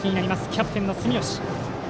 キャプテンの住吉。